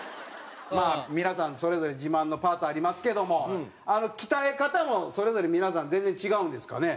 まあ皆さんそれぞれ自慢のパーツありますけども鍛え方もそれぞれ皆さん全然違うんですかね？